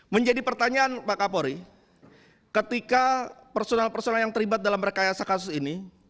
menjadi pertanyaan pak kapolri ketika personal personal yang terlibat dalam rekayasa kasus ini